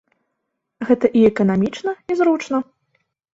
Гэта і эканамічна, і зручна.